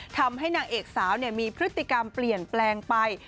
ทำให้นางเอกสาวมีพฤติกรรมเปลี่ยนแปลงไป